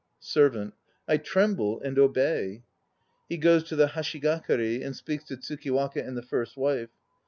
SERVANT. I tremble and obey. (He goes to the "hashigakari" and speaks to TSUKIWAKA and the FIRST WIFE.)